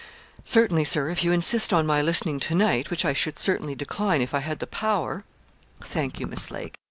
'Certainly, Sir, if you insist on my listening to night, which I should certainly decline if I had the power.' 'Thank you, Miss Lake.'